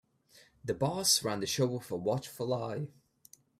The boss ran the show with a watchful eye.